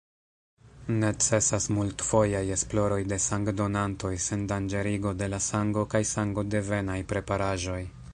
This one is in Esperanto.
Necesas multfojaj esploroj de sangdonantoj, sendanĝerigo de la sango kaj sangodevenaj preparaĵoj.